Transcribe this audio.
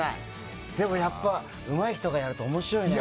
でもやっぱりうまい人とやると面白いね。